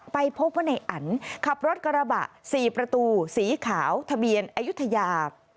ไปพบว่าในอันขับรถกระบะ๔ประตูสีขาวทะเบียนอายุทยา